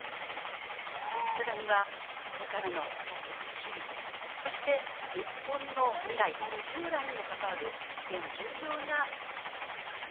更にはこれからの私たちの日々そして日本の未来将来にも関わる非常に重要な問題なんですね。